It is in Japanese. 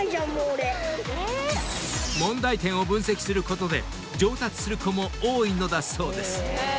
［問題点を分析することで上達する子も多いのだそうです］